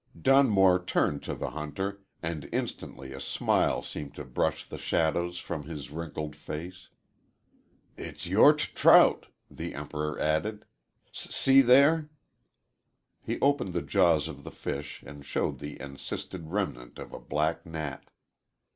Dunmore turned to the hunter, and instantly a smile seemed to brush the shadows from his wrinkled face. "It's your t trout," the Emperor added. "S see there!" He opened the jaws of the fish and showed the encysted remnant of a black gnat.